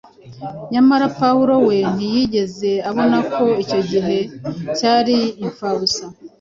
Nyamara Pawulo we ntiyigeze abona ko icyo gihe cyari imfabusa.